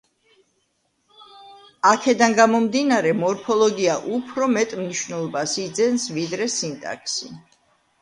აქედან გამომდინარე მორფოლოგია უფრო მეტ მნიშვნელობას იძენს ვიდრე სინტაქსი.